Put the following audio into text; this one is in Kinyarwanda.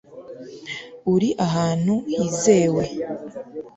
uri ahantu hizewe